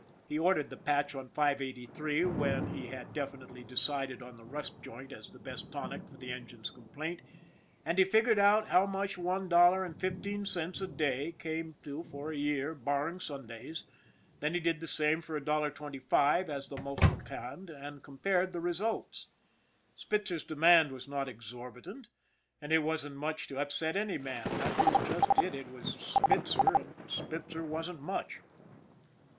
He ordered the patch on 583 when he had definitely decided on the rust joint as the best tonic for the en gine's complaint, and he figured out how much one dollar and fifteen cents a day came to for a year barring Sundays, then he did the same with a dollar twenty five as the multiplicand and compared the re sults. Spitzer's demand was not exorbitant, and it wasn't much to upset any man that was just it it was Spitzer, and Spitzer wasn't much.